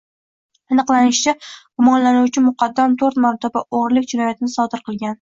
Aniqlanishicha, gumonlanuvchi muqaddam to‘rt marotaba o‘g‘rilik jinoyatini sodir qilgan